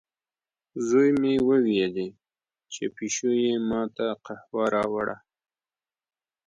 زوی مې وویلې، چې پیشو یې ما ته قهوه راوړه.